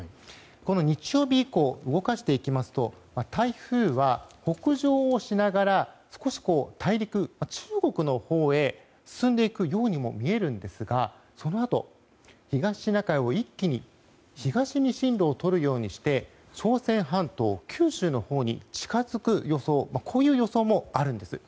この日曜日以降動かしていきますと台風は、北上をしながら少し大陸、中国のほうへ進んでいくようにも見えるんですが、そのあと東シナ海を一気に東に進路をとるようにして朝鮮半島、九州のほうに近づく予想こういう予想もあるんです。